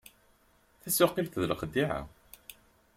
Tasuqilt d lexdiɛa.